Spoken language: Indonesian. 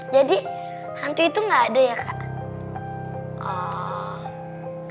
jadi hantu itu gak ada ya kak